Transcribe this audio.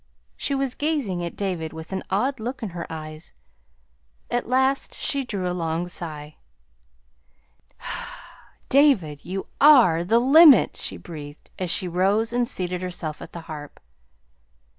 She was gazing at David with an odd look in her eyes. At last she drew a long sigh. "David, you are the the LIMIT!" she breathed, as she rose and seated herself at the harp.